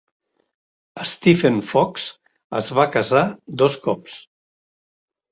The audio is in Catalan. Stephen Fox es va casar dos cops.